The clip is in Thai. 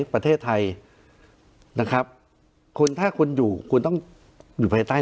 ประเทศไทยนะครับคนถ้าคุณอยู่คุณต้องอยู่ภายใต้